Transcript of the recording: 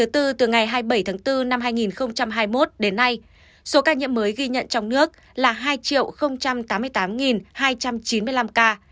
từ ngày hai mươi bảy tháng bốn năm hai nghìn hai mươi một đến nay số ca nhiễm mới ghi nhận trong nước là hai tám mươi tám hai trăm chín mươi năm ca